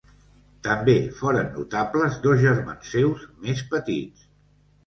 També foren notables dos germans seus més petits.